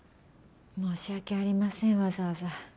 申し訳ありませんわざわざ。